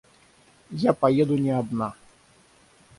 Я поеду не одна.